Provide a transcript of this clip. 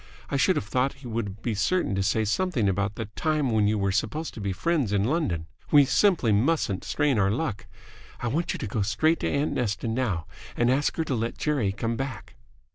I should have thought he would be certain to say something about the time when you were supposed to be friends in London. We simply mustn't strain our luck. I want you to go straight to aunt Nesta now and ask her to let Jerry come back."